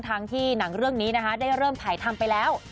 ทั้งที่หนังเรื่องนี้นะคะได้เริ่มถ่ายทำไปแล้ว